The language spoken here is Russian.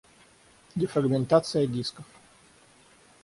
Дефрагментация дисков